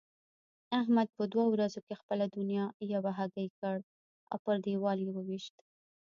احمد په دوو ورځو کې خپله دونيا یوه هګۍکړ او پر دېوال يې وويشت.